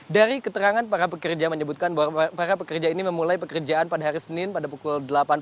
dari keterangan para pekerja menyebutkan bahwa para pekerja ini memulai pekerjaan pada hari senin pada pukul delapan belas